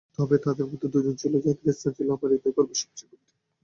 তবে তাদের মধ্যে দুজন ছিল, যাদের স্থান ছিল আমার হৃদয়গর্ভে সবচেয়ে গভীরে।